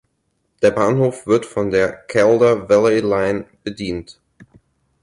Der Bahnhof wird von der Calder Valley Line bedient.